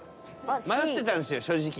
迷ってたんですよ正直。